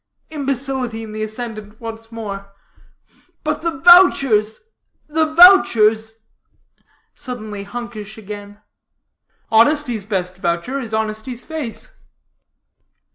imbecility in the ascendant once more; "but the vouchers, the vouchers," suddenly hunkish again. "Honesty's best voucher is honesty's face."